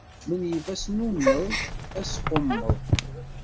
Menyif asnunneḍ asqummeḍ.